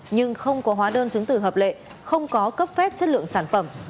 nhưng không có hóa đơn chứng tử hợp lệ không có cấp phép chất lượng sản phẩm